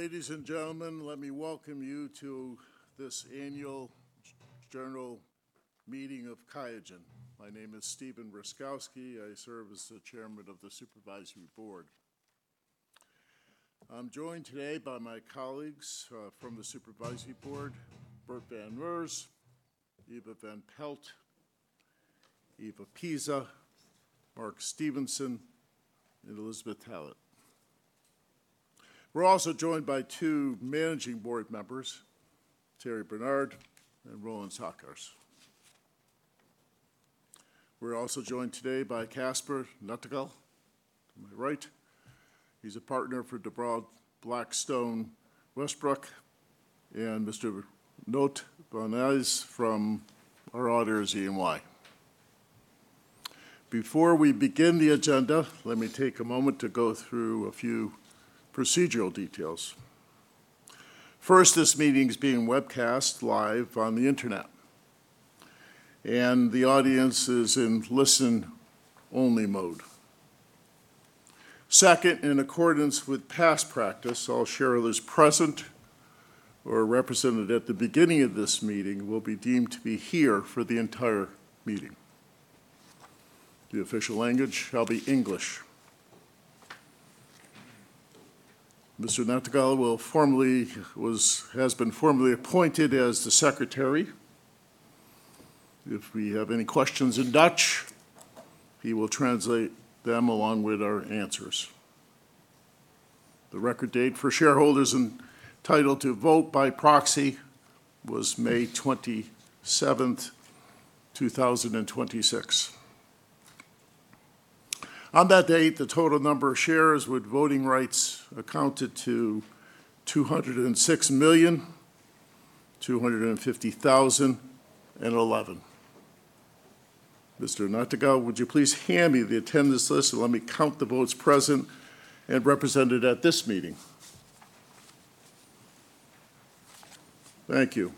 Ladies and gentlemen, let me welcome you to this annual general meeting of Qiagen. My name is Stephen Rusckowski. I serve as the Chairman of the Supervisory Board. I'm joined today by my colleagues from the Supervisory Board, Bert van Meurs, Eva van Pelt, Eva Pisa, Mark Stevenson, and Elizabeth Tallett. We're also joined by two Managing Board members, Thierry Bernard and Roland Sackers. We're also joined today by Kasper Nattegaal, to my right. He's a partner for De Brauw Blackstone Westbroek, and Mr. Note Barnes from our auditors, E&Y. Before we begin the agenda, let me take a moment to go through a few procedural details. First, this meeting is being webcast live on the internet, and the audience is in listen-only mode. Second, in accordance with past practice, all shareholders present or represented at the beginning of this meeting will be deemed to be here for the entire meeting. The official language shall be English. Mr. Nattegaal has been formally appointed as the secretary. If we have any questions in Dutch, he will translate them along with our answers. The record date for shareholders entitled to vote by proxy was May 27th, 2026. On that date, the total number of shares with voting rights accounted to 206,250,011. Mr. Nattegaal, would you please hand me the attendance list and let me count the votes present and represented at this meeting? Thank you.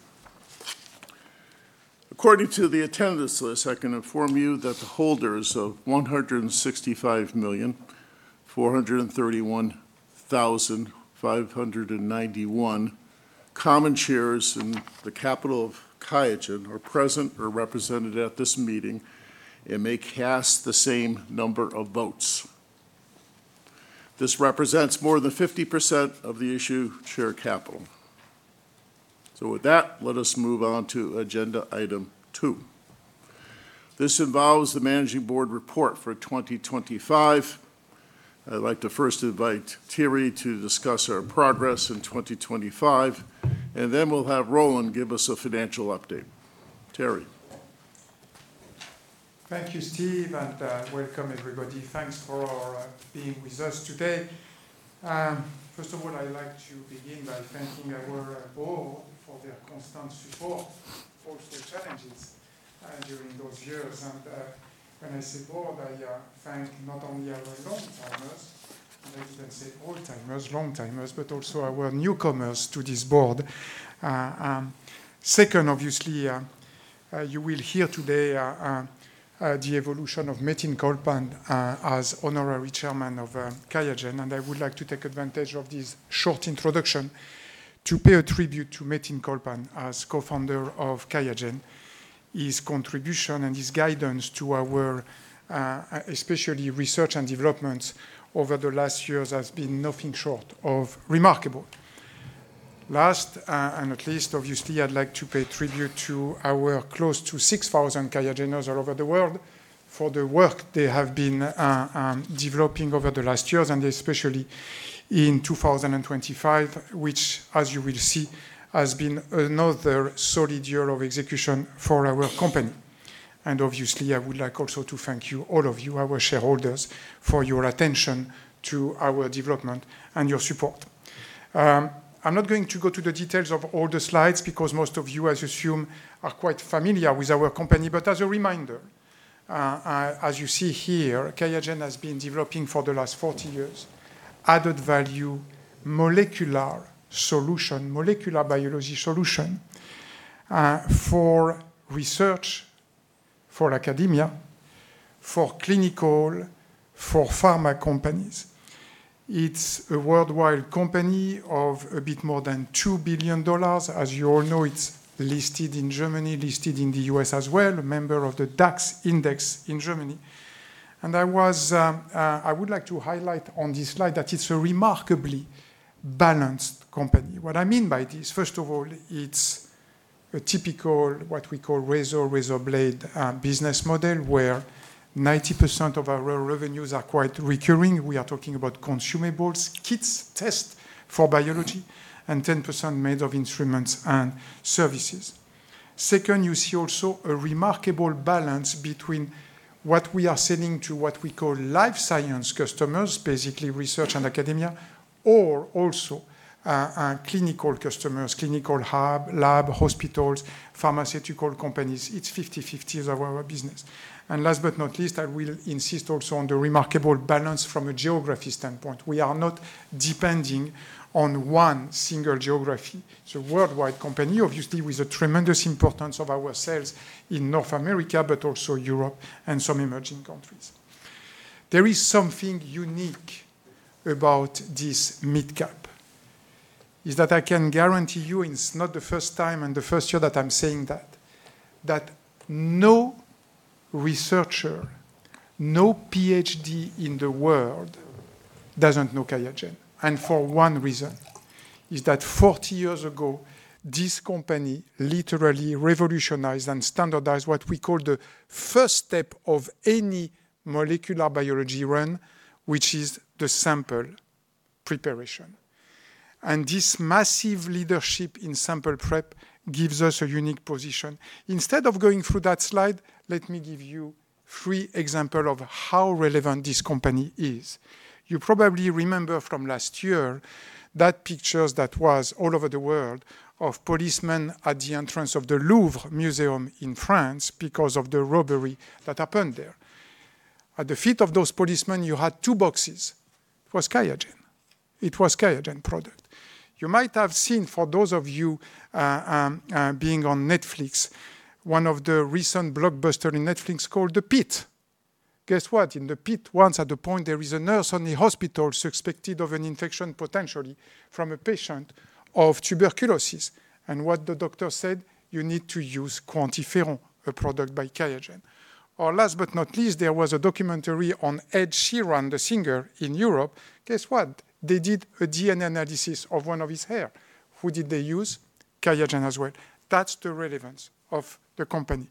According to the attendance list, I can inform you that the holders of 165,431,591 common shares in the capital of Qiagen are present or represented at this meeting and may cast the same number of votes. This represents more than 50% of the issued share capital. With that, let us move on to agenda item two. This involves the Managing Board report for 2025. I'd like to first invite Thierry to discuss our progress in 2025, and then we'll have Roland give us a financial update. Thierry. Thank you, Steve, and welcome everybody. Thanks for being with us today. First of all, I'd like to begin by thanking our Board for their constant support through the challenges during those years. When I say Board, I thank not only our long-timers, maybe I can say old-timers, long-timers, but also our newcomers to this Board. Second, obviously, you will hear today the evolution of Metin Colpan as Honorary Chairman of Qiagen, and I would like to take advantage of this short introduction to pay a tribute to Metin Colpan as co-founder of Qiagen. His contribution and his guidance to our, especially research and development over the last years, has been nothing short of remarkable. Last and not least, obviously, I'd like to pay tribute to our close to 6,000 Qiageners all over the world for the work they have been developing over the last years, especially in 2025, which, as you will see, has been another solid year of execution for our company. Obviously, I would like also to thank you, all of you, our shareholders, for your attention to our development and your support. I'm not going to go to the details of all the slides because most of you, I assume, are quite familiar with our company. As a reminder, as you see here, QIAGEN has been developing for the last 40 years added value molecular biology solution for research, for academia, for clinical, for pharma companies. It's a worldwide company of a bit more than $2 billion. As you all know, it's listed in Germany, listed in the U.S. as well, a member of the DAX index in Germany. I would like to highlight on this slide that it's a remarkably balanced company. What I mean by this, first of all, it's a typical what we call razor blade business model, where 90% of our revenues are quite recurring. We are talking about consumables, kits, tests for biology, and 10% made of instruments and services. Second, you see also a remarkable balance between what we are selling to what we call life science customers, basically research and academia, or also clinical customers, clinical hub, lab, hospitals, pharmaceutical companies. It's 50/50 of our business. Last but not least, I will insist also on the remarkable balance from a geography standpoint. We are not depending on one single geography. It's a worldwide company, obviously, with the tremendous importance of our sales in North America, but also Europe and some emerging countries. There is something unique about this mid-cap. It's that I can guarantee you, and it's not the first time and the first year that I'm saying that no researcher, no PhD in the world doesn't know QIAGEN. For one reason, is that 40 years ago, this company literally revolutionized and standardized what we call the first step of any molecular biology run, which is the sample preparation. This massive leadership in sample prep gives us a unique position. Instead of going through that slide, let me give you three examples of how relevant this company is. You probably remember from last year that pictures that was all over the world of policemen at the entrance of the Louvre Museum in France because of the robbery that happened there. At the feet of those policemen, you had two boxes. It was QIAGEN. It was QIAGEN product. You might have seen, for those of you being on Netflix, one of the recent blockbuster in Netflix called "The Platform." Guess what? In "The Platform," once at the point there is a nurse in the hospital suspected of an infection, potentially from a patient of tuberculosis. What the doctor said, "You need to use QuantiFERON," a product by QIAGEN. Last but not least, there was a documentary on Ed Sheeran, the singer in Europe. Guess what? They did a DNA analysis of one of his hair. Who did they use? QIAGEN as well. That's the relevance of the company.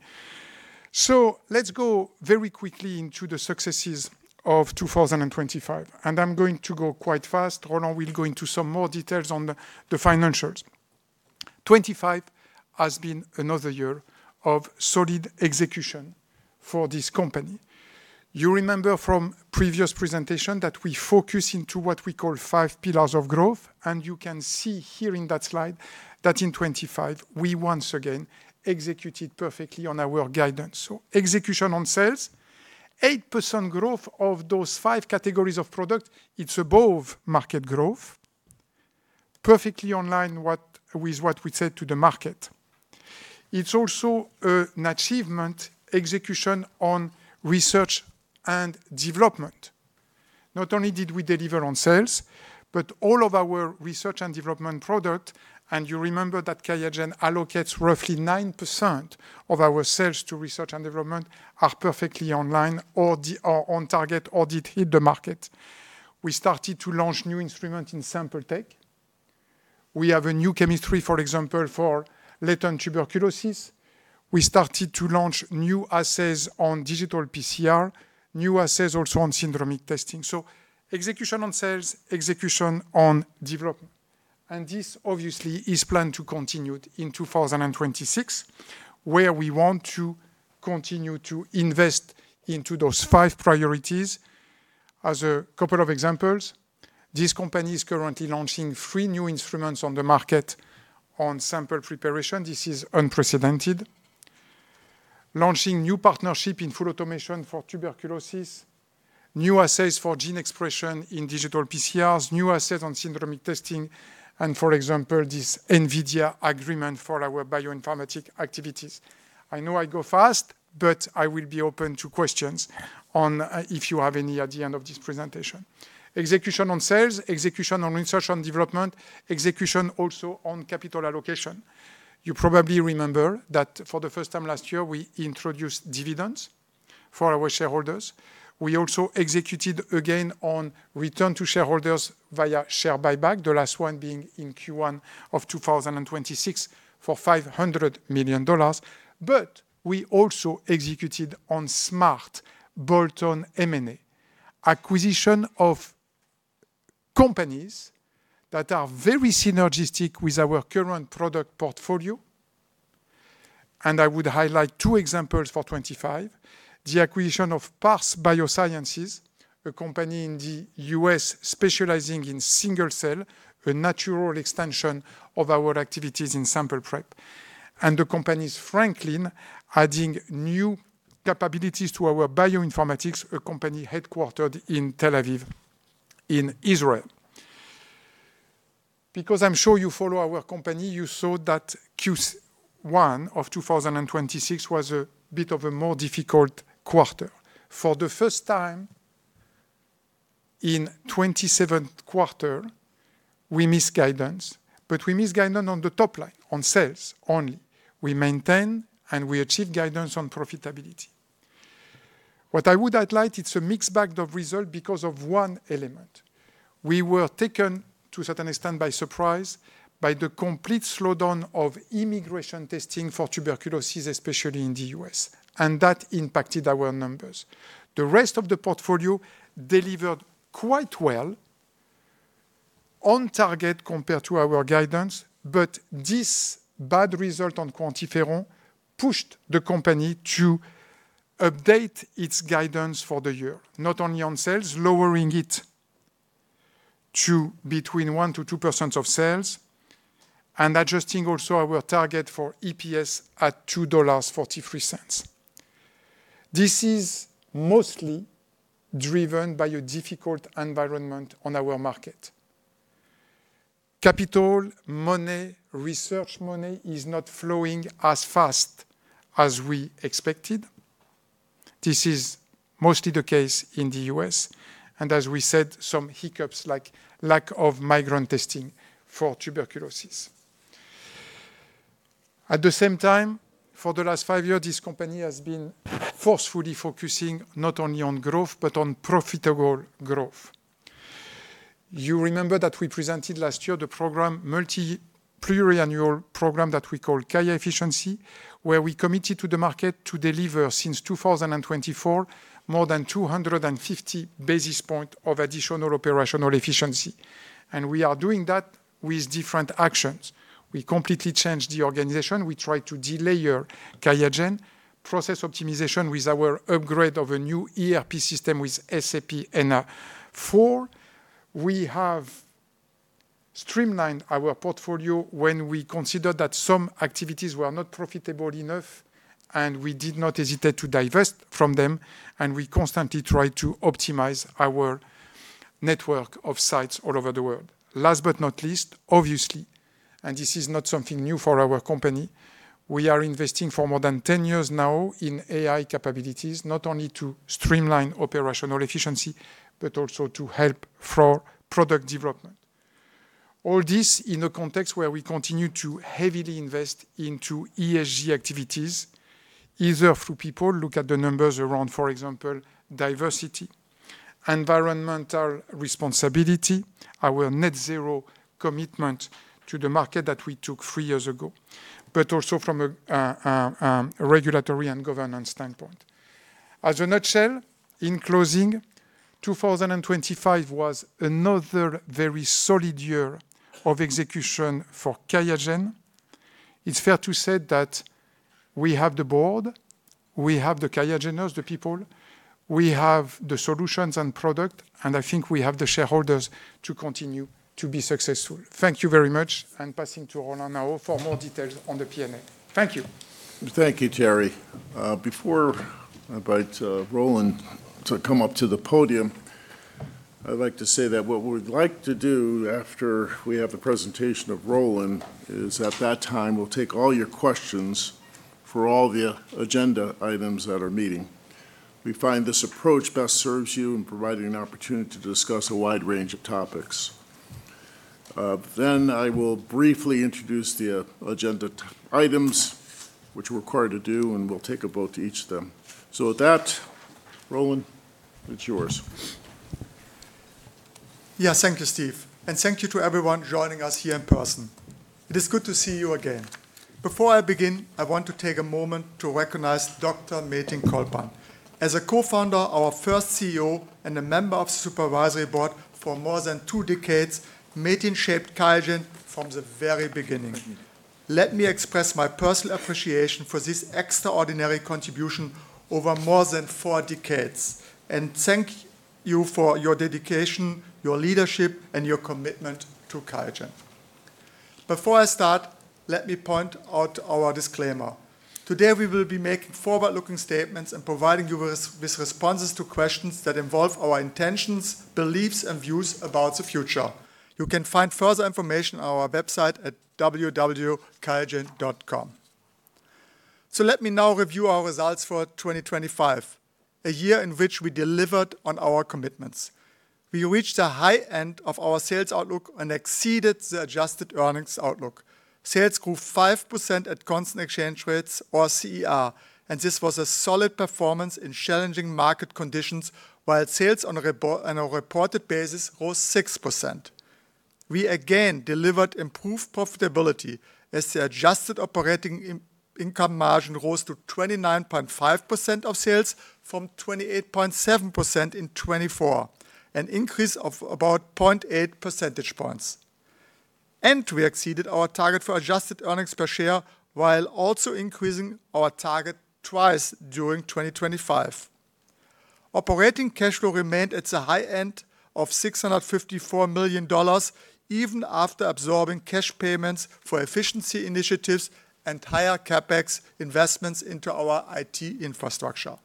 Let's go very quickly into the successes of 2025, and I'm going to go quite fast. Roland will go into some more details on the financials. 2025 has been another year of solid execution for this company. You remember from previous presentation that we focus into what we call five pillars of growth, and you can see here in that slide that in 2025, we once again executed perfectly on our guidance. Execution on sales, 8% growth of those five categories of product. It's above market growth. Perfectly online with what we said to the market. It's also an achievement, execution on research and development. Not only did we deliver on sales, but all of our research and development product. You remember that Qiagen allocates roughly 9% of our sales to research and development are perfectly online or on target, or did hit the market. We started to launch new instrument in sample tech. We have a new chemistry, for example, for latent tuberculosis. We started to launch new assays on digital PCR, new assays also on syndromic testing. Execution on sales, execution on development. This obviously is planned to continue in 2026, where we want to continue to invest into those five priorities. As a couple of examples, this company is currently launching three new instruments on the market on sample preparation. This is unprecedented. Launching new partnership in full automation for tuberculosis, new assays for gene expression in digital PCRs, new assays on syndromic testing, and for example, this NVIDIA agreement for our bioinformatic activities. I know I go fast, but I will be open to questions on if you have any at the end of this presentation. Execution on sales, execution on research and development, execution also on capital allocation. You probably remember that for the first time last year, we introduced dividends for our shareholders. We also executed again on return to shareholders via share buyback, the last one being in Q1 of 2026 for $500 million. We also executed on smart bolt-on M&A. Acquisition of companies that are very synergistic with our current product portfolio. I would highlight two examples for 2025, the acquisition of Parse Biosciences, a company in the U.S. specializing in single cell, a natural extension of our activities in sample prep. The company's Franklin, adding new capabilities for our bioinformatics, a company headquartered in Tel Aviv, in Israel. I'm sure you follow our company, you saw that Q1 of 2026 was a bit of a more difficult quarter. For the first time in 27 quarter, we missed guidance, but we missed guidance on the top line, on sales only. We maintain and we achieve guidance on profitability. What I would highlight, it's a mixed bag of result because of one element. We were taken, to a certain extent, by surprise by the complete slowdown of immigration testing for tuberculosis, especially in the U.S., and that impacted our numbers. The rest of the portfolio delivered quite well, on target compared to our guidance, but this bad result on QuantiFERON pushed the company to update its guidance for the year. Not only on sales, lowering it to between 1%-2% of sales, and adjusting also our target for EPS at $2.43. This is mostly driven by a difficult environment on our market. Capital money, research money is not flowing as fast as we expected. This is mostly the case in the U.S., and as we said, some hiccups like lack of migrant testing for tuberculosis. At the same time, for the last five years, this company has been forcefully focusing not only on growth but on profitable growth. You remember that we presented last year the multi-pluriannual program that we call QIAGEN Efficiency, where we committed to the market to deliver since 2024 more than 250 basis points of additional operational efficiency. We are doing that with different actions. We completely changed the organization. We tried to delayer QIAGEN, process optimization with our upgrade of a new ERP system with SAP S/4. We have streamlined our portfolio when we consider that some activities were not profitable enough, and we did not hesitate to divest from them, and we constantly try to optimize our network of sites all over the world. Last but not least, obviously, and this is not something new for our company, we are investing for more than 10 years now in AI capabilities, not only to streamline operational efficiency, but also to help for product development. All this in a context where we continue to heavily invest into ESG activities, either through people, look at the numbers around, for example, diversity. Environmental responsibility, our net zero commitment to the market that we took three years ago. Also from a regulatory and governance standpoint. As a nutshell, in closing, 2025 was another very solid year of execution for QIAGEN. It's fair to say that we have the board, we have the QIAGENers, the people, we have the solutions and product, and I think we have the shareholders to continue to be successful. Thank you very much. I'm passing to Roland now for more details on the P&L. Thank you. Thank you, Thierry. Before I invite Roland to come up to the podium, I'd like to say that what we would like to do after we have the presentation of Roland is at that time, we'll take all your questions for all the agenda items that are meeting. We find this approach best serves you in providing an opportunity to discuss a wide range of topics. I will briefly introduce the agenda items which we're required to do, and we'll take a vote to each of them. With that, Roland, it's yours. Thank you, Steve. Thank you to everyone joining us here in person. It is good to see you again. Before I begin, I want to take a moment to recognize Dr. Metin Colpan. As a co-founder, our first CEO, and a member of Supervisory Board for more than two decades, Metin shaped QIAGEN from the very beginning. Let me express my personal appreciation for this extraordinary contribution over more than four decades, and thank you for your dedication, your leadership, and your commitment to QIAGEN. Before I start, let me point out our disclaimer. Today, we will be making forward-looking statements and providing you with responses to questions that involve our intentions, beliefs, and views about the future. You can find further information on our website at www.qiagen.com. Let me now review our results for 2025, a year in which we delivered on our commitments. We reached the high end of our sales outlook and exceeded the adjusted earnings outlook. Sales grew 5% at constant exchange rates, or CER, this was a solid performance in challenging market conditions, while sales on a reported basis rose 6%. We again delivered improved profitability as the adjusted operating income margin rose to 29.5% of sales from 28.7% in 2024, an increase of about 0.8 percentage points. We exceeded our target for adjusted earnings per share while also increasing our target twice during 2025. Operating cash flow remained at the high end of $654 million, even after absorbing cash payments for efficiency initiatives and higher CapEx investments into our IT infrastructure.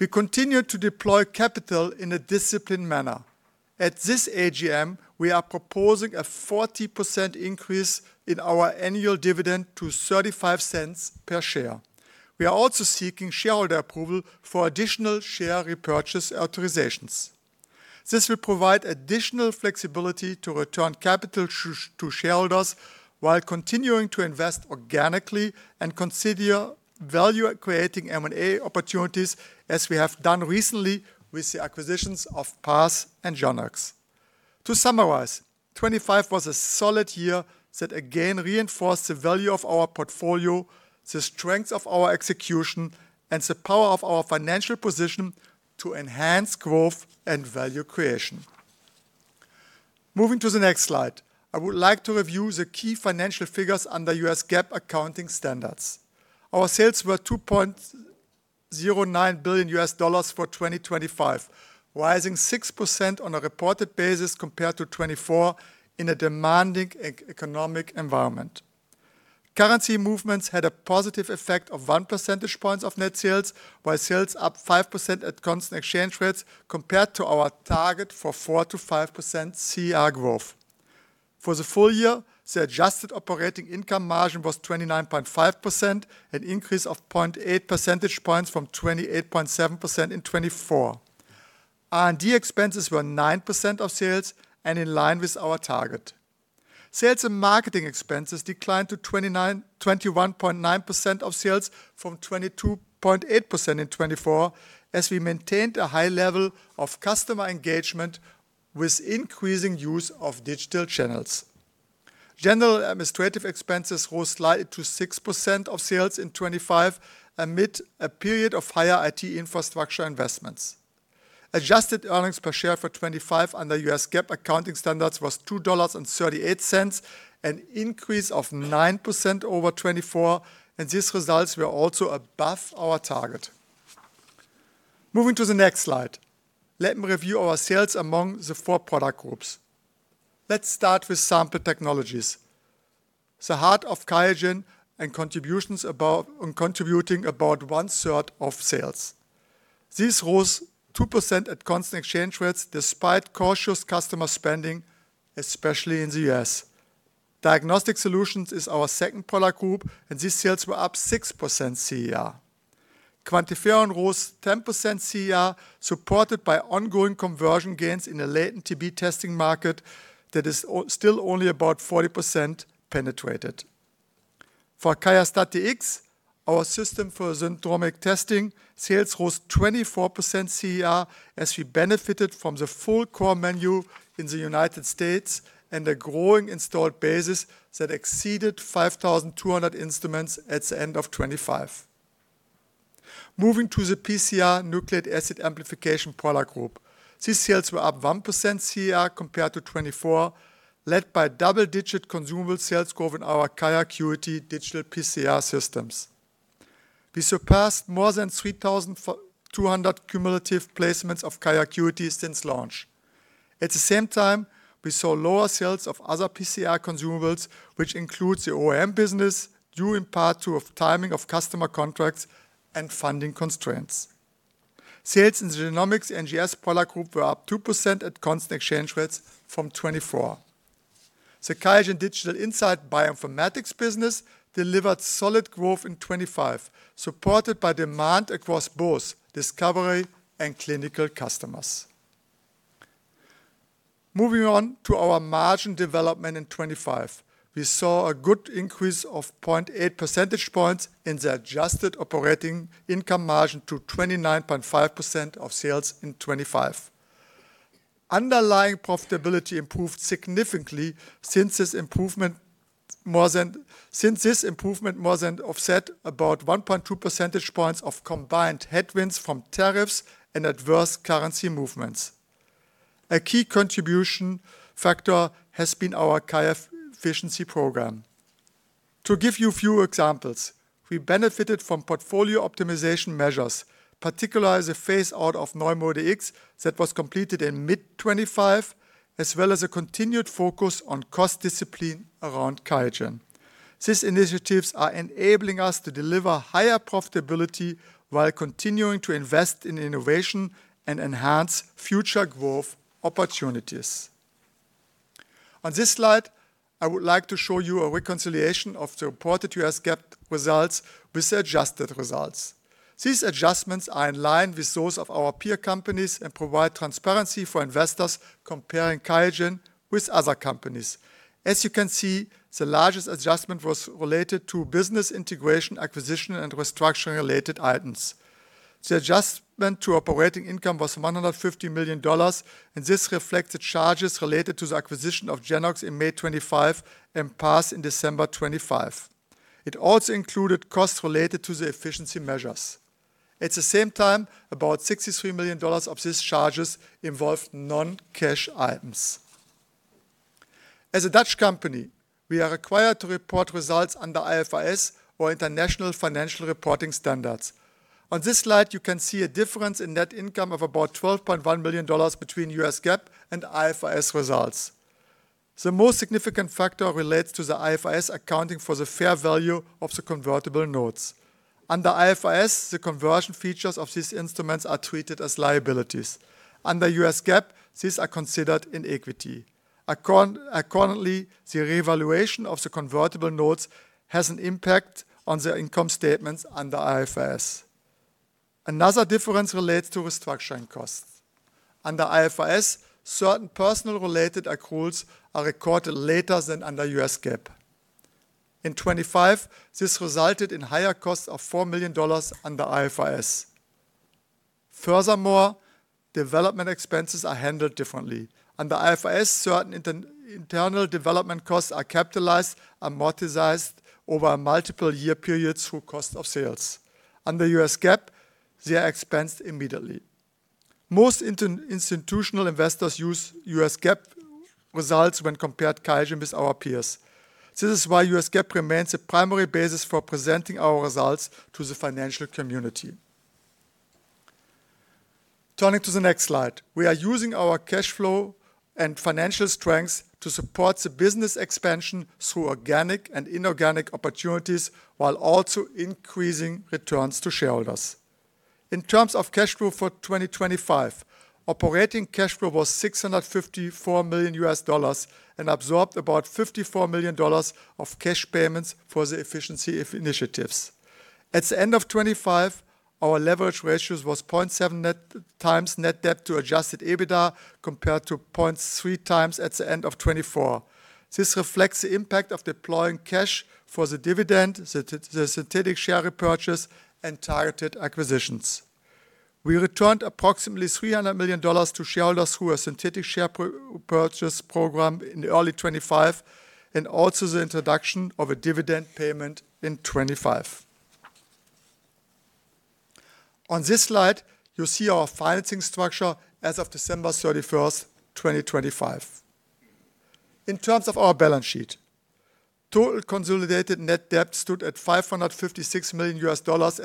We continued to deploy capital in a disciplined manner. At this AGM, we are proposing a 40% increase in our annual dividend to $0.35 per share. We are also seeking shareholder approval for additional share repurchase authorizations. This will provide additional flexibility to return capital to shareholders while continuing to invest organically and consider value at creating M&A opportunities as we have done recently with the acquisitions of Parse and Verogen. To summarize, 2025 was a solid year that again reinforced the value of our portfolio, the strength of our execution, and the power of our financial position to enhance growth and value creation. Moving to the next slide. I would like to review the key financial figures under U.S. GAAP accounting standards. Our sales were $2.09 billion for 2025, rising 6% on a reported basis compared to 2024 in a demanding economic environment. Currency movements had a positive effect of one percentage points of net sales, while sales up 5% at constant exchange rates compared to our target for 4%-5% CER growth. For the full year, the adjusted operating income margin was 29.5%, an increase of 0.8 percentage points from 28.7% in 2024. R&D expenses were 9% of sales and in line with our target. Sales and marketing expenses declined to 21.9% of sales from 22.8% in 2024 as we maintained a high level of customer engagement with increasing use of digital channels. General administrative expenses rose slightly to 6% of sales in 2025 amid a period of higher IT infrastructure investments. Adjusted earnings per share for 2025 under U.S. GAAP accounting standards was $2.38, an increase of 9% over 2024, and these results were also above our target. Moving to the next slide, let me review our sales among the four product groups. Let's start with Sample Technologies, the heart of QIAGEN and contributing about one third of sales. This rose 2% at constant exchange rates despite cautious customer spending, especially in the U.S. Diagnostic Solutions is our second product group, these sales were up 6% CR. QuantiFERON rose 10% CR, supported by ongoing conversion gains in the latent TB testing market that is still only about 40% penetrated. For QIAstat-Dx, our system for syndromic testing, sales rose 24% CR as we benefited from the full core menu in the United States and a growing installed base that exceeded 5,200 instruments at the end of 2025. Moving to the PCR Nucleic Acid Amplification product group. These sales were up 1% CR compared to 2024, led by double-digit consumable sales growth in our QIAcuity digital PCR systems. We surpassed more than 3,200 cumulative placements of QIAcuity since launch. At the same time, we saw lower sales of other PCR consumables, which includes the OEM business, due in part to timing of customer contracts and funding constraints. Sales in the Genomics NGS product group were up 2% at constant exchange rates from 2024. The QIAGEN Digital Insights Bioinformatics business delivered solid growth in 2025, supported by demand across both discovery and clinical customers. Moving on to our margin development in 2025. We saw a good increase of 0.8 percentage points in the adjusted operating income margin to 29.5% of sales in 2025. Underlying profitability improved significantly since this improvement more than offset about 1.2 percentage points of combined headwinds from tariffs and adverse currency movements. A key contribution factor has been our QIAfficiency program. To give you a few examples, we benefited from portfolio optimization measures, particularly the phase out of NeuMoDx that was completed in mid 2025, as well as a continued focus on cost discipline around QIAGEN. These initiatives are enabling us to deliver higher profitability while continuing to invest in innovation and enhance future growth opportunities. On this slide, I would like to show you a reconciliation of the reported U.S. GAAP results with the adjusted results. These adjustments are in line with those of our peer companies and provide transparency for investors comparing QIAGEN with other companies. As you can see, the largest adjustment was related to business integration, acquisition, and restructuring-related items. The adjustment to operating income was $150 million, and this reflects the charges related to the acquisition of Genoox in May 2025 and Parse in December 2025. It also included costs related to the efficiency measures. At the same time, about $63 million of these charges involved non-cash items. As a Dutch company, we are required to report results under IFRS or International Financial Reporting Standards. On this slide, you can see a difference in net income of about $12.1 million between U.S. GAAP and IFRS results. The most significant factor relates to the IFRS accounting for the fair value of the convertible notes. Under IFRS, the conversion features of these instruments are treated as liabilities. Under U.S. GAAP, these are considered in equity. Accordingly, the revaluation of the convertible notes has an impact on the income statements under IFRS. Another difference relates to restructuring costs. Under IFRS, certain personal-related accruals are recorded later than under U.S. GAAP. In 2025, this resulted in higher costs of $4 million under IFRS. Furthermore, development expenses are handled differently. Under IFRS, certain internal development costs are capitalized, amortized over multiple year periods through cost of sales. Under U.S. GAAP, they are expensed immediately. Most institutional investors use U.S. GAAP results when comparing QIAGEN with our peers. This is why U.S. GAAP remains the primary basis for presenting our results to the financial community. Turning to the next slide. We are using our cash flow and financial strengths to support the business expansion through organic and inorganic opportunities, while also increasing returns to shareholders. In terms of cash flow for 2025, operating cash flow was $654 million and absorbed about $54 million of cash payments for the efficiency initiatives. At the end of 2025, our leverage ratios was 0.7 net times net debt to adjusted EBITDA, compared to 0.3 times at the end of 2024. This reflects the impact of deploying cash for the dividend, the synthetic share repurchase, and targeted acquisitions. We returned approximately $300 million to shareholders through a synthetic share purchase program in early 2025, and also the introduction of a dividend payment in 2025. On this slide, you see our financing structure as of December 31st, 2025. In terms of our balance sheet, total consolidated net debt stood at $556 million at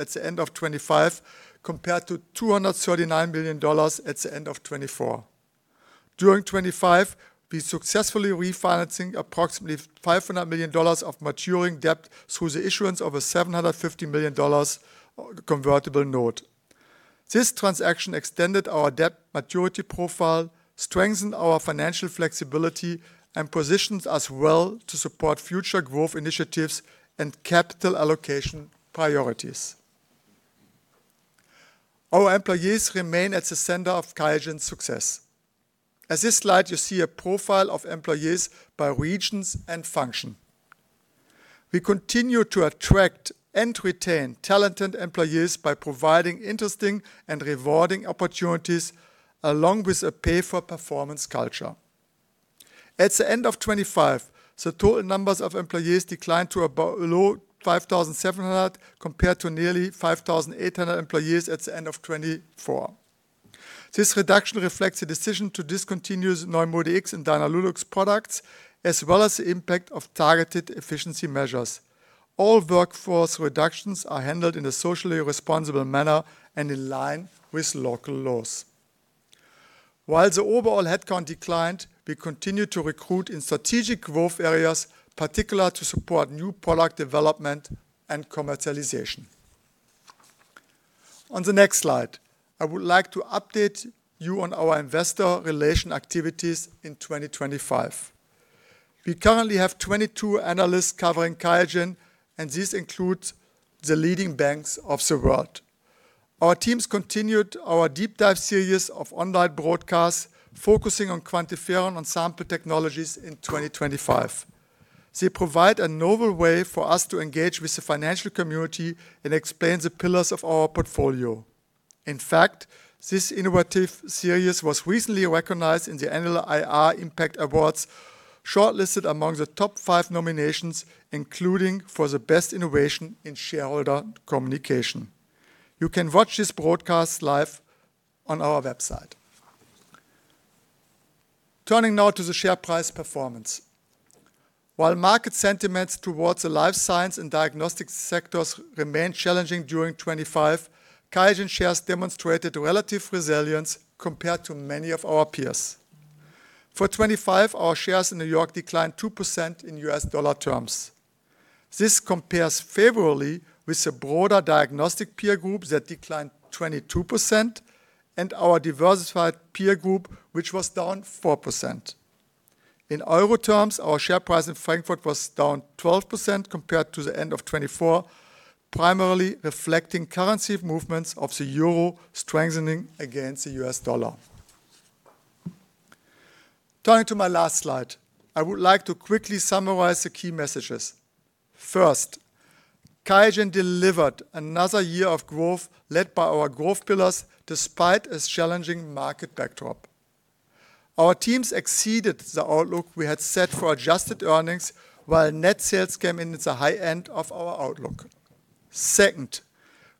the end of 2025, compared to $239 million at the end of 2024. During 2025, we successfully refinancing approximately $500 million of maturing debt through the issuance of a $750 million convertible note. This transaction extended our debt maturity profile, strengthened our financial flexibility, and positions us well to support future growth initiatives and capital allocation priorities. Our employees remain at the center of QIAGEN's success. On this slide, you see a profile of employees by regions and function. We continue to attract and retain talented employees by providing interesting and rewarding opportunities, along with a pay-for-performance culture. At the end of 2025, the total numbers of employees declined to below 5,700 compared to nearly 5,800 employees at the end of 2024. This reduction reflects a decision to discontinue NeuMoDx and DynaLuX products, as well as the impact of targeted efficiency measures. All workforce reductions are handled in a socially responsible manner and in line with local laws. While the overall headcount declined, we continued to recruit in strategic growth areas, particular to support new product development and commercialization. On the next slide, I would like to update you on our investor relation activities in 2025. We currently have 22 analysts covering QIAGEN, and this includes the leading banks of the world. Our teams continued our deep dive series of online broadcasts focusing on QuantiFERON and Sample Technologies in 2025. They provide a novel way for us to engage with the financial community and explain the pillars of our portfolio. In fact, this innovative series was recently recognized in the annual IR Magazine Awards, shortlisted among the top five nominations, including for the best innovation in shareholder communication. You can watch this broadcast live on our website. Turning now to the share price performance. While market sentiments towards the life science and diagnostic sectors remained challenging during 2025, QIAGEN shares demonstrated relative resilience compared to many of our peers. For 2025, our shares in New York declined 2% in U.S. dollar terms. This compares favorably with the broader diagnostic peer group that declined 22%, and our diversified peer group, which was down 4%. In Euro terms, our share price in Frankfurt was down 12% compared to the end of 2024, primarily reflecting currency movements of the euro strengthening against the US dollar. Turning to my last slide, I would like to quickly summarize the key messages. First, QIAGEN delivered another year of growth led by our growth pillars, despite a challenging market backdrop. Our teams exceeded the outlook we had set for adjusted earnings, while net sales came in at the high end of our outlook. Second,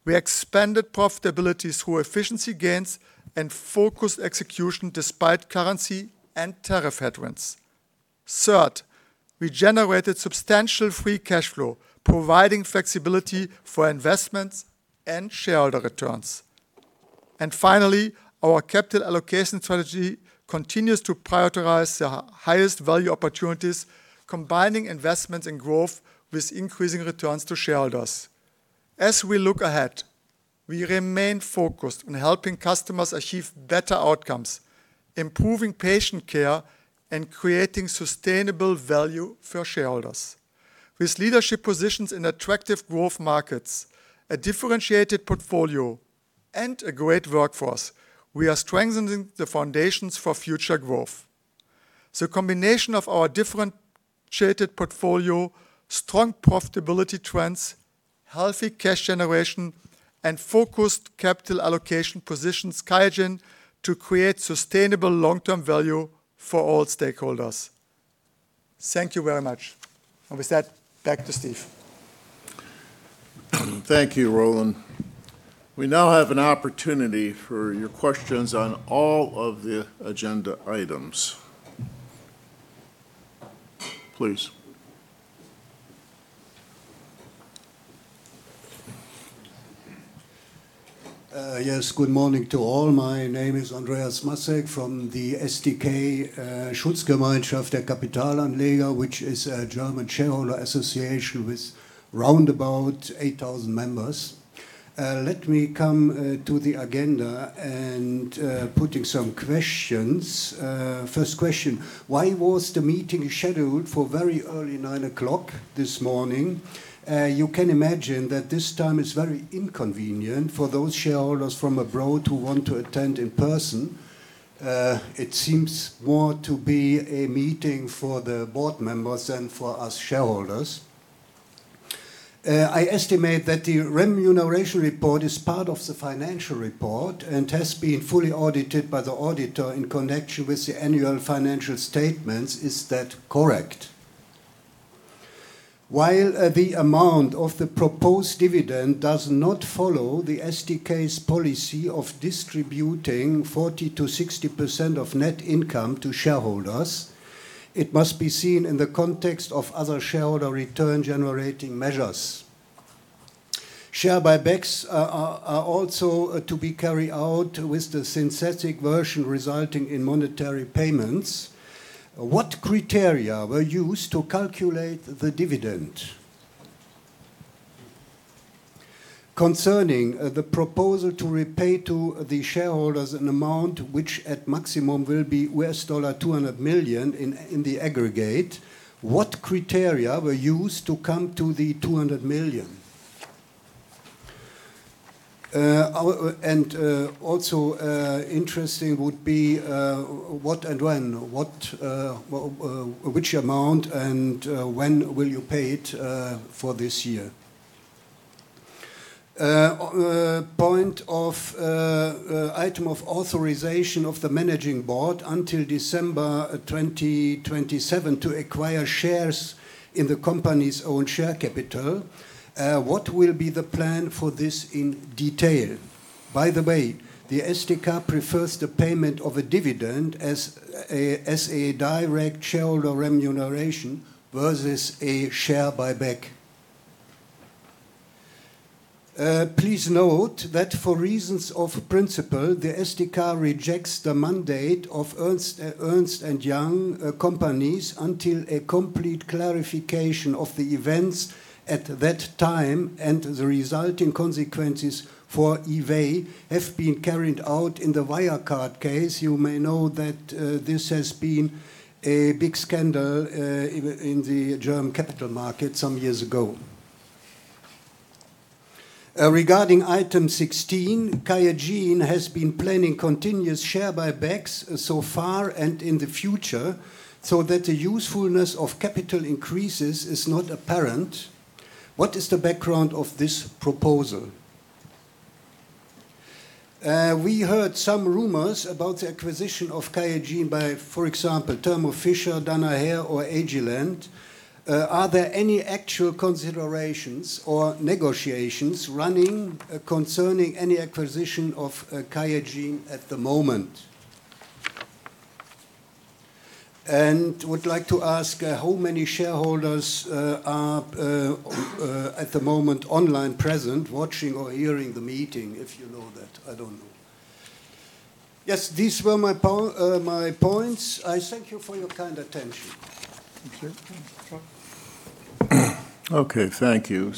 we expanded profitability through efficiency gains and focused execution despite currency and tariff headwinds. Third, we generated substantial free cash flow, providing flexibility for investments and shareholder returns. Finally, our capital allocation strategy continues to prioritize the highest value opportunities, combining investments in growth with increasing returns to shareholders. As we look ahead, we remain focused on helping customers achieve better outcomes, improving patient care, and creating sustainable value for shareholders. With leadership positions in attractive growth markets, a differentiated portfolio, and a great workforce, we are strengthening the foundations for future growth. The combination of our differentiated portfolio, strong profitability trends, healthy cash generation, and focused capital allocation positions QIAGEN to create sustainable long-term value for all stakeholders. Thank you very much. With that, back to Steve. Thank you, Roland. We now have an opportunity for your questions on all of the agenda items. Please Yes. Good morning to all. My name is Andreas Massek from the SdK Schutzgemeinschaft der Kapitalanleger, which is a German shareholder association with roundabout 8,000 members. Let me come to the agenda and putting some questions. First question, why was the meeting scheduled for very early 9:00 A.M. this morning? You can imagine that this time is very inconvenient for those shareholders from abroad who want to attend in person. It seems more to be a meeting for the board members than for us shareholders. I estimate that the remuneration report is part of the financial report and has been fully audited by the auditor in connection with the annual financial statements. Is that correct? While the amount of the proposed dividend does not follow the SdK's policy of distributing 40%-60% of net income to shareholders, it must be seen in the context of other shareholder return-generating measures. Share buybacks are also to be carried out with the synthetic version resulting in monetary payments. What criteria were used to calculate the dividend? Concerning the proposal to repay to the shareholders an amount which at maximum will be $200 million in the aggregate, what criteria were used to come to the $200 million? Also, interesting would be what and when. Which amount and when will you pay it for this year? Point of item of authorization of the Managing Board until December 2027 to acquire shares in the company's own share capital. What will be the plan for this in detail? By the way, the SdK prefers the payment of a dividend as a direct shareholder remuneration versus a share buyback. Please note that for reasons of principle, the SdK rejects the mandate of Ernst & Young until a complete clarification of the events at that time and the resulting consequences for EY have been carried out in the Wirecard case. You may know that this has been a big scandal in the German capital market some years ago. Regarding item 16, QIAGEN has been planning continuous share buybacks so far and in the future, so that the usefulness of capital increases is not apparent. What is the background of this proposal? We heard some rumors about the acquisition of QIAGEN by, for example, Thermo Fisher, Danaher, or Agilent. Are there any actual considerations or negotiations running concerning any acquisition of QIAGEN at the moment? Would like to ask how many shareholders are at the moment online present, watching or hearing the meeting, if you know that. I don't know. Yes, these were my points. I thank you for your kind attention. Thank you. Okay. Thank you.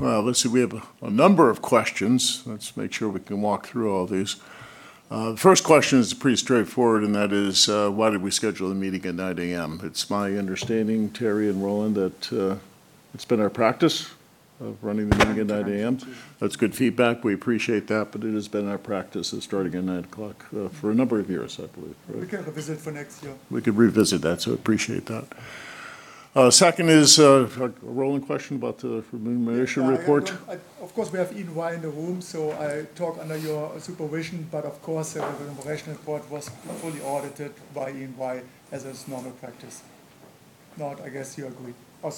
Let's see. We have a number of questions. Let's make sure we can walk through all these. The first question is pretty straightforward, and that is, why did we schedule the meeting at 9:00 A.M.? It's my understanding, Thierry and Roland, that it's been our practice of running the meeting at 9:00 A.M. That's good feedback. We appreciate that, but it has been our practice of starting at 9:00 A.M. for a number of years, I believe. Right? We can revisit for next year. We could revisit that, appreciate that. Second is a Roland question about the remuneration report. We have EY in the room, so I talk under your supervision. The remuneration report was fully audited by EY as is normal practice. Claude, I guess you agree. I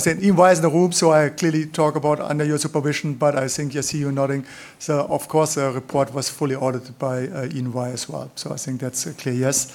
said EY is in the room, so I clearly talk about under your supervision, but I think I see you nodding. The report was fully audited by EY as well. I think that's a clear yes.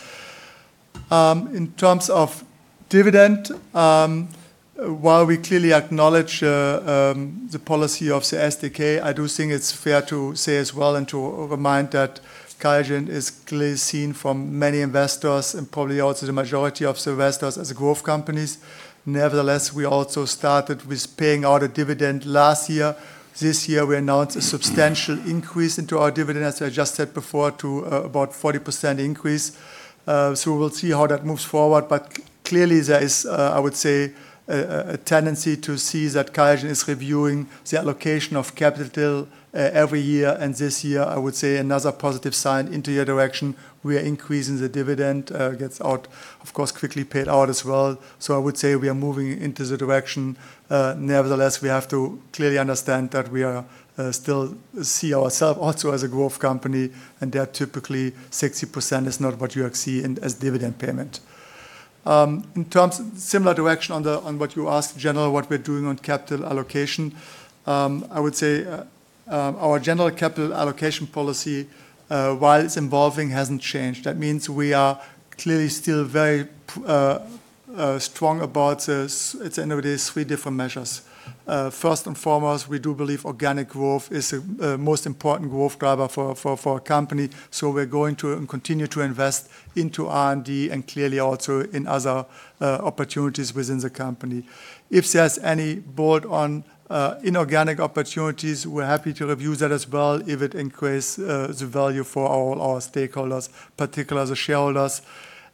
In terms of dividend, while we clearly acknowledge the policy of the SdK, I do think it's fair to say as well and to remind that Qiagen is clearly seen from many investors, and probably also the majority of investors, as growth companies. Nevertheless, we also started with paying out a dividend last year. This year, we announced a substantial increase into our dividend, as I just said before, to about 40% increase. We will see how that moves forward. Clearly there is, I would say, a tendency to see that Qiagen is reviewing the allocation of capital every year, and this year, I would say another positive sign into your direction. We are increasing the dividend. It gets out, of course, quickly paid out as well. I would say we are moving into the direction. Nevertheless, we have to clearly understand that we still see ourselves also as a growth company, and there typically 60% is not what you would see as dividend payment. In terms of similar direction on what you asked general, what we're doing on capital allocation, I would say Our general capital allocation policy, while it's evolving, hasn't changed. That means we are clearly still very strong about this. At the end of the day, three different measures. First and foremost, we do believe organic growth is the most important growth driver for our company, so we're going to continue to invest into R&D and clearly also in other opportunities within the company. If there's any board on inorganic opportunities, we're happy to review that as well, if it increases the value for all our stakeholders, particularly the shareholders.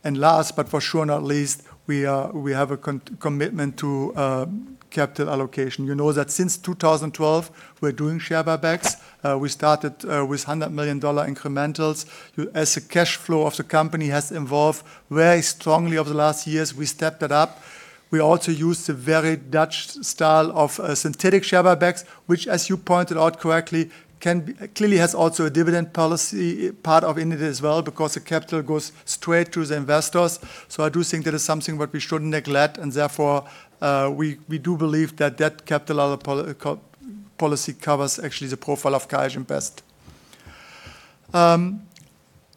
Last, but for sure not least, we have a commitment to capital allocation. You know that since 2012, we're doing share buybacks. We started with $100 million incrementals. As the cash flow of the company has evolved very strongly over the last years, we stepped it up. We also used the very Dutch style of synthetic share buybacks, which, as you pointed out correctly, clearly has also a dividend policy part of in it as well, because the capital goes straight to the investors. I do think that is something what we shouldn't neglect and therefore, we do believe that that capital policy covers actually the profile of QIAGEN best.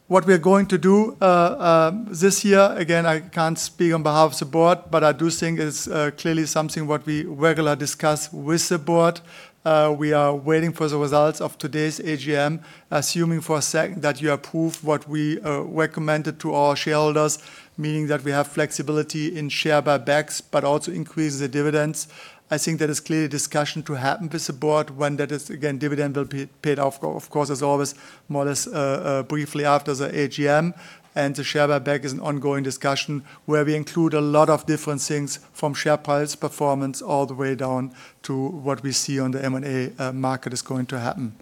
What we are going to do this year, again, I can't speak on behalf of the board, but I do think it's clearly something what we regularly discuss with the board. We are waiting for the results of today's AGM. Assuming for a sec that you approve what we recommended to our shareholders, meaning that we have flexibility in share buybacks, but also increase the dividends. I think there is clearly a discussion to happen with the board when that is, again, dividend will be paid off, of course, as always, more or less, briefly after the AGM. The share buyback is an ongoing discussion where we include a lot of different things from share price performance, all the way down to what we see on the M&A market is going to happen.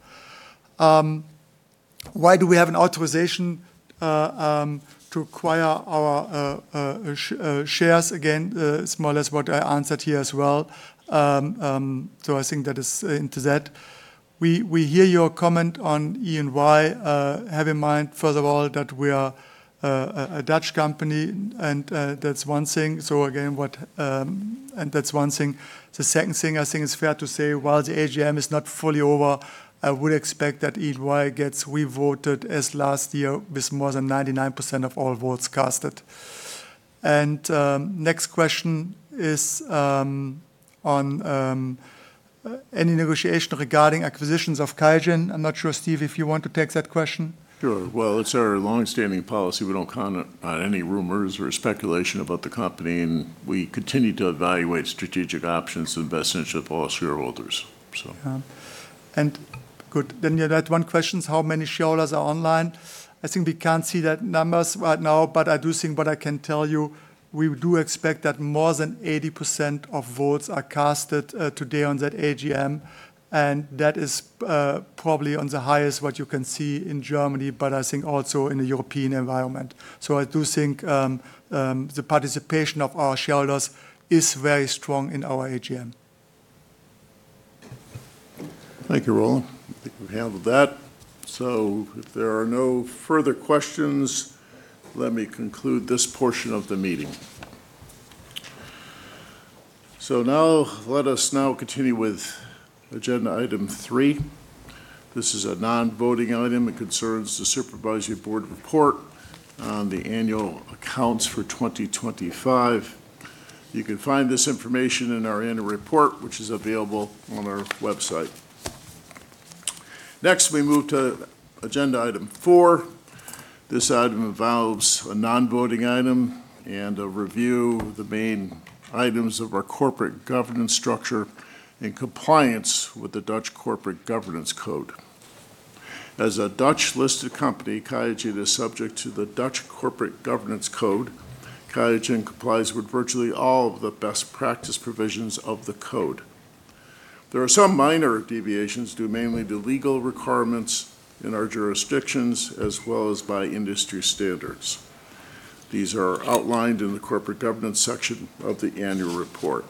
Why do we have an authorization to acquire our shares again? It's more or less what I answered here as well. I think that is into that. We hear your comment on EY. Have in mind, first of all, that we are a Dutch company, and that's one thing. The second thing I think is fair to say, while the AGM is not fully over, I would expect that EY gets revoted as last year with more than 99% of all votes cast. Next question is on any negotiation regarding acquisitions of QIAGEN. I'm not sure, Steve, if you want to take that question. Well, it's our longstanding policy we don't comment on any rumors or speculation about the company, and we continue to evaluate strategic options in the best interest of all our shareholders. Good. You had one questions; how many shareholders are online? I think we can't see that number right now, but I do think what I can tell you, we do expect that more than 80% of votes are cast today on that AGM, and that is probably on the highest what you can see in Germany, but I think also in the European environment. I do think the participation of our shareholders is very strong in our AGM. Thank you, Roland. I think we handled that. If there are no further questions, let me conclude this portion of the meeting. Now, let us now continue with agenda item three. This is a non-voting item. It concerns the Supervisory Board report on the annual accounts for 2025. You can find this information in our annual report, which is available on our website. Next, we move to agenda item four. This item involves a non-voting item and a review of the main items of our corporate governance structure in compliance with the Dutch Corporate Governance Code. As a Dutch-listed company, QIAGEN is subject to the Dutch Corporate Governance Code. QIAGEN complies with virtually all of the best practice provisions of the code. There are some minor deviations due mainly to legal requirements in our jurisdictions as well as by industry standards. These are outlined in the Corporate Governance section of the annual report.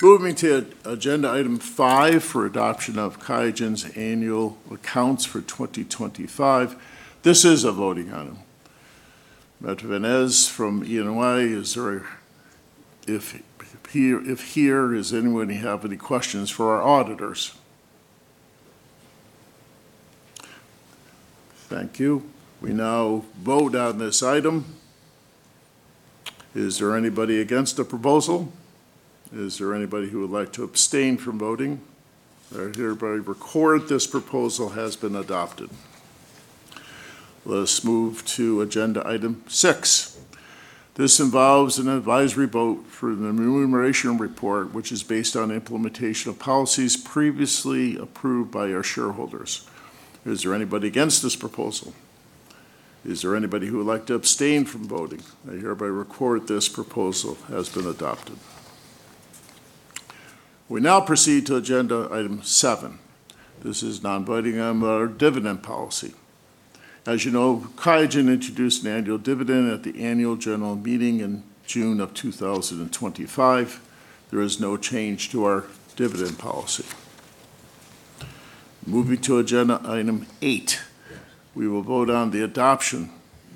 Moving to agenda item five for adoption of QIAGEN's annual accounts for 2025. This is a voting item. Mr. Van Es from EY, if here, does anybody have any questions for our auditors? Thank you. We now vote on this item. Is there anybody against the proposal? Is there anybody who would like to abstain from voting? I hereby record this proposal has been adopted. Let us move to agenda item six. This involves an advisory vote for the remuneration report, which is based on implementation of policies previously approved by our shareholders. Is there anybody against this proposal? Is there anybody who would like to abstain from voting? I hereby record this proposal has been adopted. We now proceed to agenda item seven. This is a non-voting item on our dividend policy. As you know, QIAGEN introduced an annual dividend at the annual general meeting in June of 2025. There is no change to our dividend policy. Moving to agenda item eight, we will vote on the adoption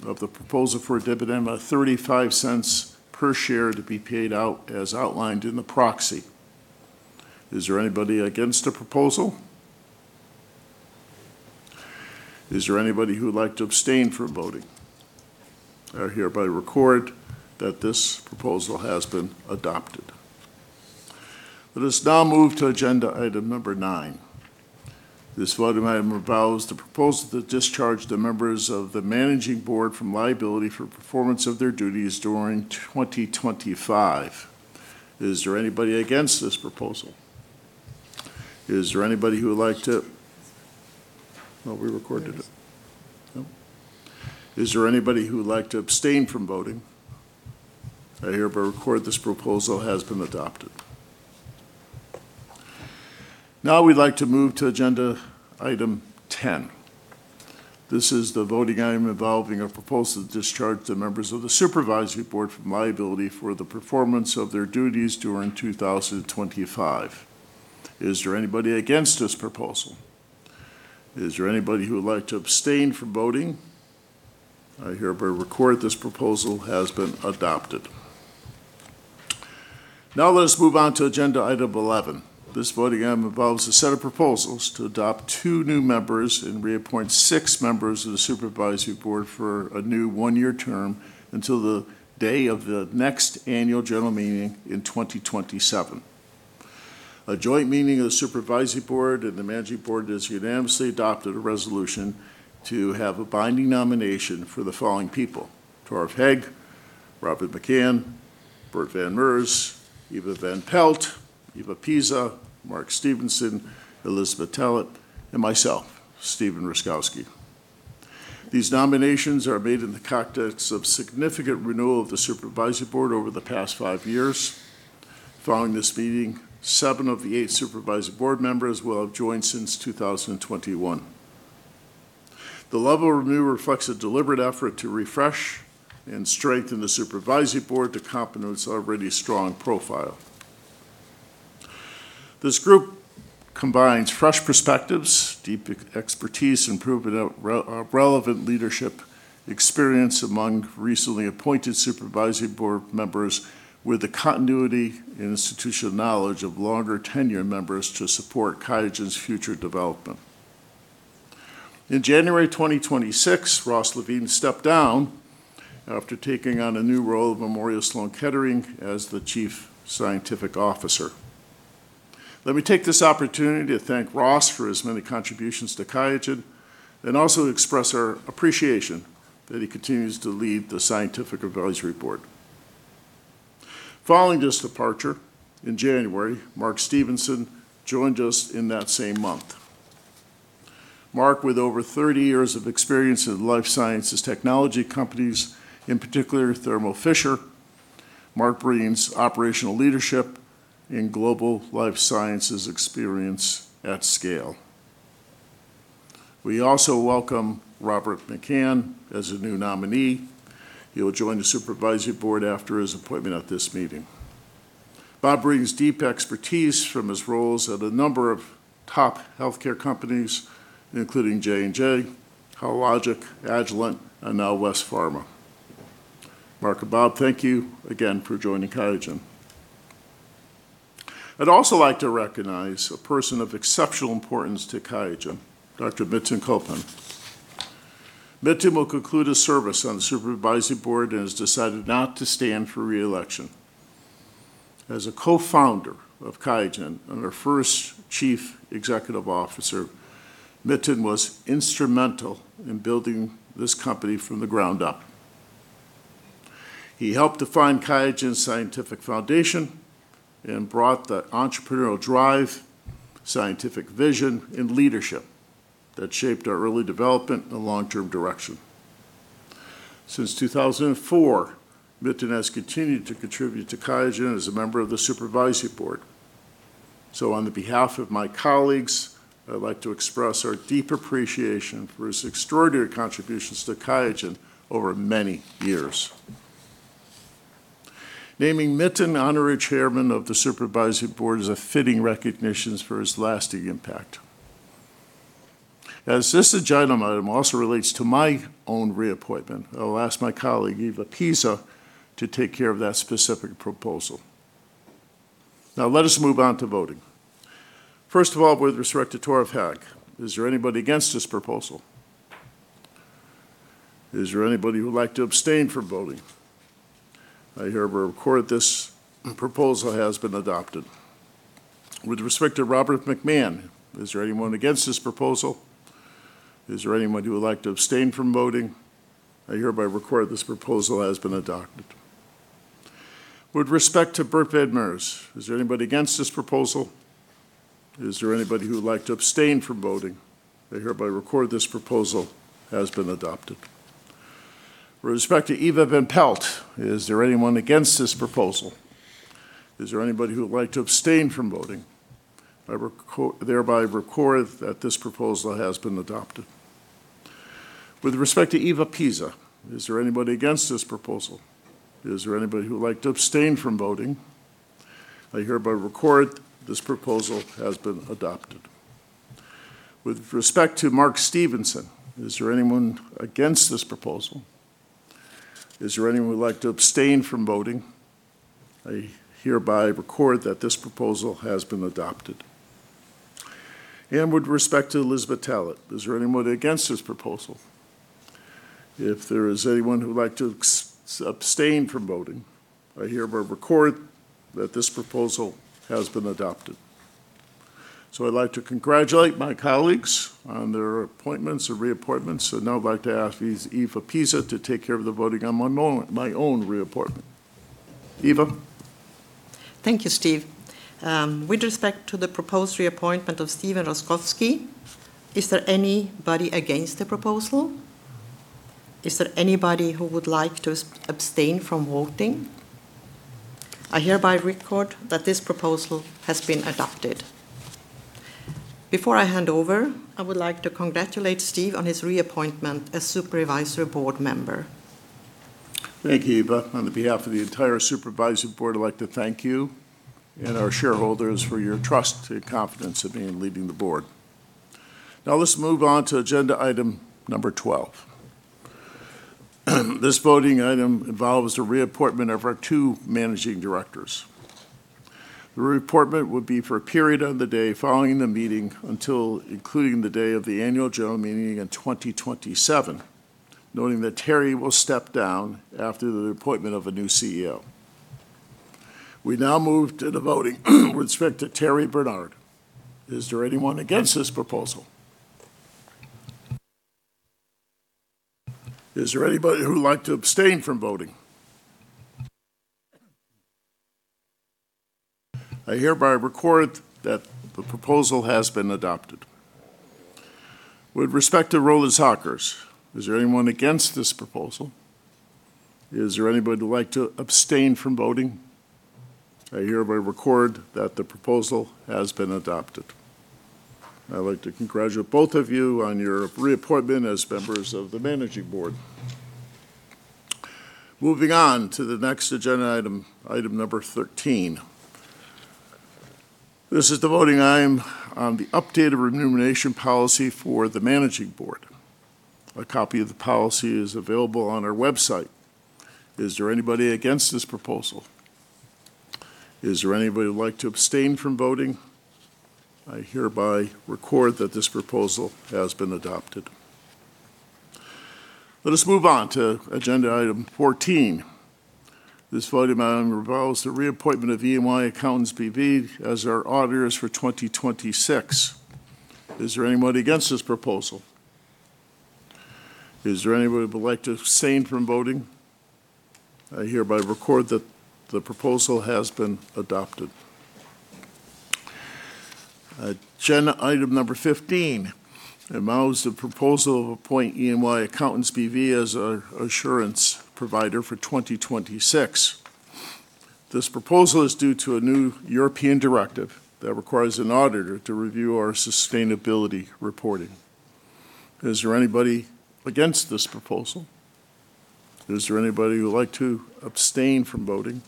of the proposal for a dividend of $0.35 per share to be paid out as outlined in the proxy. Is there anybody against the proposal? Is there anybody who would like to abstain from voting? I hereby record that this proposal has been adopted. Let us now move to agenda item 9. This voting item allows the proposal to discharge the members of the managing board from liability for performance of their duties during 2025. Is there anybody against this proposal? Is there anybody who would like to abstain from voting? I hereby record this proposal has been adopted. We'd like to move to agenda item 10. This is the voting item involving a proposal to discharge the members of the supervisory board from liability for the performance of their duties during 2025. Is there anybody against this proposal? Is there anybody who would like to abstain from voting? I hereby record this proposal has been adopted. Let us move on to agenda item 11. This voting item involves a set of proposals to adopt two new members and reappoint six members of the supervisory board for a new one-year term until the day of the next annual general meeting in 2027. A joint meeting of the supervisory board and the managing board has unanimously adopted a resolution to have a binding nomination for the following people: Toralf Haag, Robert McMahon, Bert van Meurs, Eva van Pelt, Eva Pisa, Mark Stevenson, Elizabeth Tallett, and myself, Stephen Rusckowski. These nominations are made in the context of significant renewal of the supervisory board over the past five years. Following this meeting, seven of the eight supervisory board members will have joined since 2021. The level of renew reflects a deliberate effort to refresh and strengthen the supervisory board to complement its already strong profile. This group combines fresh perspectives, deep expertise, and proven relevant leadership experience among recently appointed supervisory board members with the continuity and institutional knowledge of longer-tenure members to support Qiagen's future development. In January 2026, Ross Levine stepped down after taking on a new role at Memorial Sloan Kettering as the Chief Scientific Officer. Let me take this opportunity to thank Ross for his many contributions to Qiagen and also express our appreciation that he continues to lead the Scientific Advisory Board. Following this departure in January, Mark Stevenson joined us in that same month. Mark, with over 30 years of experience in life sciences technology companies, in particular Thermo Fisher, Mark brings operational leadership and global life sciences experience at scale. We also welcome Robert McMahon as a new nominee. He will join the supervisory board after his appointment at this meeting. Bob brings deep expertise from his roles at a number of top healthcare companies, including J&J, Hologic, Agilent, and now West Pharma. Mark and Bob, thank you again for joining Qiagen. I'd also like to recognize a person of exceptional importance to Qiagen, Dr. Metin Colpan. Metin will conclude his service on the supervisory board and has decided not to stand for re-election. As a co-founder of Qiagen and our first Chief Executive Officer, Metin was instrumental in building this company from the ground up. He helped define QIAGEN's scientific foundation and brought the entrepreneurial drive, scientific vision, and leadership that shaped our early development and long-term direction. Since 2004, Metin has continued to contribute to QIAGEN as a member of the Supervisory Board. On the behalf of my colleagues, I would like to express our deep appreciation for his extraordinary contributions to QIAGEN over many years. Naming Metin honorary chairman of the Supervisory Board is a fitting recognition for his lasting impact. As this agenda item also relates to my own reappointment, I'll ask my colleague, Eva Pisa, to take care of that specific proposal. Now let us move on to voting. First of all, with respect to Toralf Haag, is there anybody against this proposal? Is there anybody who would like to abstain from voting? I hereby record this proposal has been adopted. With respect to Robert McMahon, is there anyone against this proposal? Is there anyone who would like to abstain from voting? I hereby record this proposal has been adopted. With respect to Bert van Meurs, is there anybody against this proposal? Is there anybody who would like to abstain from voting? I hereby record this proposal has been adopted. With respect to Eva van Pelt, is there anyone against this proposal? Is there anybody who would like to abstain from voting? I hereby record that this proposal has been adopted. With respect to Eva Pisa, is there anybody against this proposal? Is there anybody who would like to abstain from voting? I hereby record this proposal has been adopted. With respect to Mark Stevenson, is there anyone against this proposal? Is there anyone who would like to abstain from voting? I hereby record that this proposal has been adopted. With respect to Elizabeth Tallett, is there anyone against this proposal? If there is anyone who would like to abstain from voting, I hereby record that this proposal has been adopted. I'd like to congratulate my colleagues on their appointments or reappointments. Now I'd like to ask Eva Pisa to take care of the voting on my own reappointment. Eva? Thank you, Steve. With respect to the proposed reappointment of Stephen Rusckowski, is there anybody against the proposal? Is there anybody who would like to abstain from voting? I hereby record that this proposal has been adopted. Before I hand over, I would like to congratulate Steve on his reappointment as Supervisory Board member. Thank you, Eva. On behalf of the entire Supervisory Board, I'd like to thank you and our shareholders for your trust and confidence in me in leading the board. Now let's move on to agenda item number 12. This voting item involves the reappointment of our two managing directors. The reappointment would be for a period of the day following the meeting until including the day of the annual general meeting in 2027, noting that Thierry will step down after the appointment of a new CEO. We now move to the voting with respect to Thierry Bernard. Is there anyone against this proposal? Is there anybody who would like to abstain from voting? I hereby record that the proposal has been adopted. With respect to Roland Sackers, is there anyone against this proposal? Is there anybody who would like to abstain from voting? I hereby record that the proposal has been adopted. I'd like to congratulate both of you on your reappointment as members of the Managing Board. Moving on to the next agenda item number 13. This is the voting item on the updated remuneration policy for the Managing Board. A copy of the policy is available on our website. Is there anybody against this proposal? Is there anybody who would like to abstain from voting? I hereby record that this proposal has been adopted. Let us move on to agenda item 14. This voting item involves the reappointment of EY Accountants BV as our auditors for 2026. Is there anybody against this proposal? Is there anybody who would like to abstain from voting? I hereby record that the proposal has been adopted. Agenda item number 15 involves the proposal to appoint EY Accountants BV as our assurance provider for 2026. This proposal is due to a new European directive that requires an auditor to review our sustainability reporting. Is there anybody against this proposal? Is there anybody who would like to abstain from voting?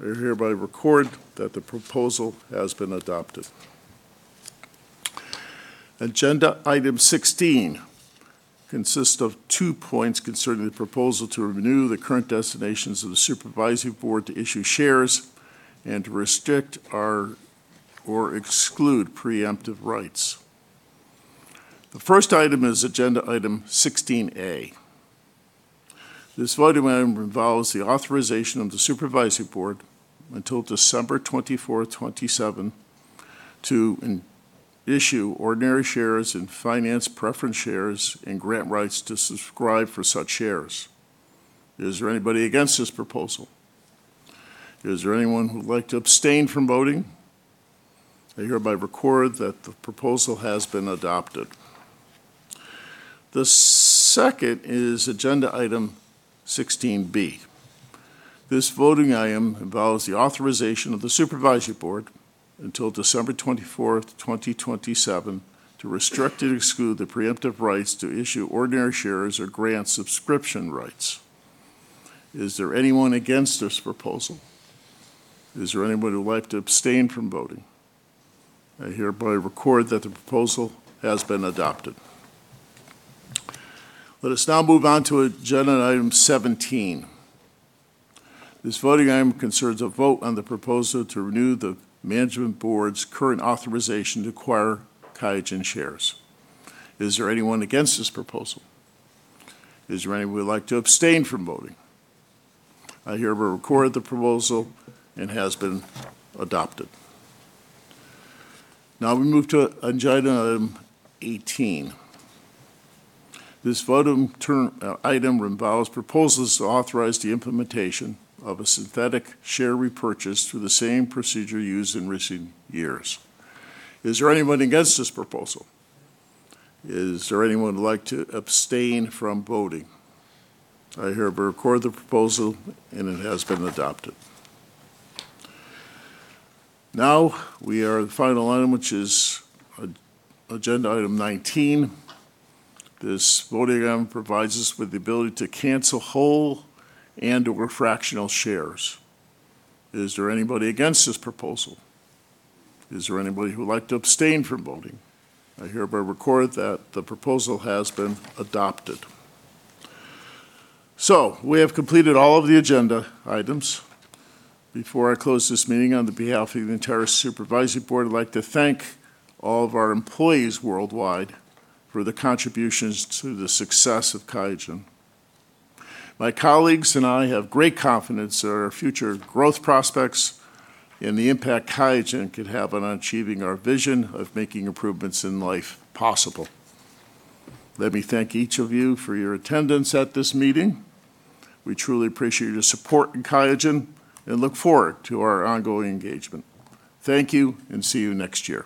I hereby record that the proposal has been adopted. Agenda item 16 consists of two points concerning the proposal to renew the current designations of the Supervisory Board to issue shares and to restrict or exclude preemptive rights. The first item is agenda item 16A. This voting item involves the authorization of the Supervisory Board until December 24, 2027 to issue ordinary shares and finance preference shares and grant rights to subscribe for such shares. Is there anybody against this proposal? Is there anyone who would like to abstain from voting? I hereby record that the proposal has been adopted. The second is agenda item 16B. This voting item involves the authorization of the Supervisory Board until December 24, 2027, to restrict and exclude the preemptive rights to issue ordinary shares or grant subscription rights. Is there anyone against this proposal? Is there anybody who would like to abstain from voting? I hereby record that the proposal has been adopted. Let us now move on to agenda item 17. This voting item concerns a vote on the proposal to renew the Managing Board's current authorization to acquire QIAGEN shares. Is there anyone against this proposal? Is there anyone who would like to abstain from voting? I hereby record the proposal and has been adopted. Now we move to agenda item 18. This voting item involves proposals to authorize the implementation of a synthetic share repurchase through the same procedure used in recent years. Is there anyone against this proposal? Is there anyone who would like to abstain from voting? I hereby record the proposal, and it has been adopted. We are at the final item, which is agenda item 19. This voting item provides us with the ability to cancel whole and/or fractional shares. Is there anybody against this proposal? Is there anybody who would like to abstain from voting? I hereby record that the proposal has been adopted. We have completed all of the agenda items. Before I close this meeting, on behalf of the entire Supervisory Board, I'd like to thank all of our employees worldwide for the contributions to the success of Qiagen. My colleagues and I have great confidence in our future growth prospects and the impact Qiagen can have on achieving our vision of making improvements in life possible. Let me thank each of you for your attendance at this meeting. We truly appreciate your support in Qiagen and look forward to our ongoing engagement. Thank you, and see you next year.